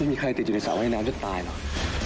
ไม่มีใครติดอยู่ในสระว่ายน้ำจะตายหรอก